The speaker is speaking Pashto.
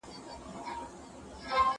ښځې د عمر په زیاتېدو کې لږ ګنجېږي.